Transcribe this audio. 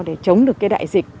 để chống được cái đại dịch